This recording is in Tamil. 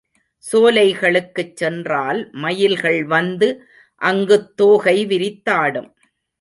சோலைகளுக்குச் சென்றால் மயில்கள் வந்து அங்குத் தோகை விரித்தாடும்.